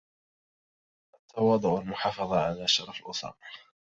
التواضع والمحافظة على شرف الأسرة